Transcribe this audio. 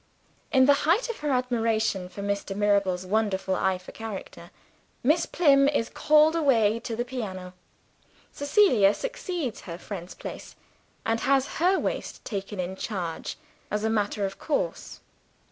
In the height of her admiration for Mr. Mirabel's wonderful eye for character, Miss Plym is called away to the piano. Cecilia succeeds to her friend's place and has her waist taken in charge as a matter of course.